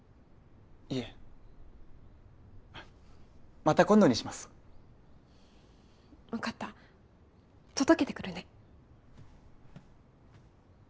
いえまた今度にします分かった届けてくるね